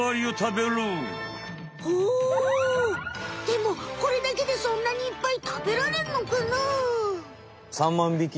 でもこれだけでそんなにいっぱい食べられんのかな？